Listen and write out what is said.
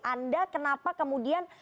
anda kenapa kemudian